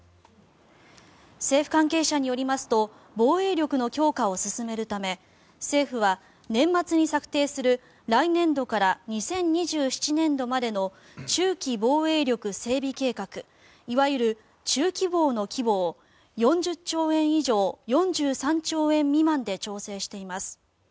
政府関係者によりますと防衛力の強化を進めるため政府は年末に策定する来年度から２０２７年度までの中期防衛力整備計画いわゆる中期防の規模を４０兆円以上４３兆円未満で調整しています。